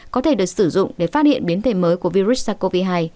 có thể được sử dụng để phát hiện biến thể mới của virus sars cov hai